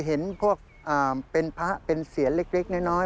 เห็นพวกเป็นพระเป็นเสียนเล็กน้อย